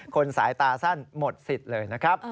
สายตาสั้นหมดสิทธิ์เลยนะครับ